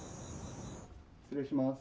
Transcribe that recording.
失礼します。